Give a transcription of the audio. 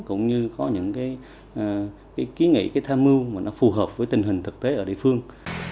cũng như có những cái ký nghị cái tham mưu mà nó phù hợp với tình hình thực tế ở địa phương